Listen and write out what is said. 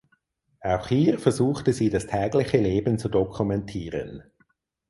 Auch hier versuchte sie das tägliche Leben zu dokumentieren.